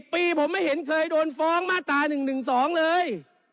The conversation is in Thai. ปีผมไม่เห็นเคยโดนฟ้องมาตรา๑๑๒เลย